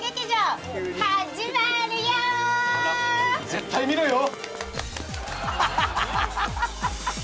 絶対見ろよ！